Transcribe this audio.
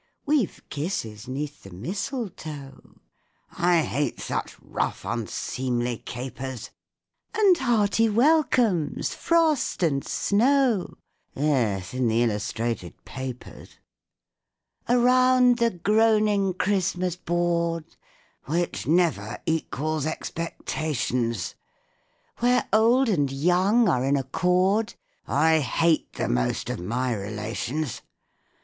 _) We've kisses 'neath the mistletoe (I hate such rough, unseemly capers!) And hearty welcomes, frost and snow; (Yes, in the illustrated papers.) Around the groaning Christmas board, (Which never equals expectations,) Where old and young are in accord (_I hate the most of my relations!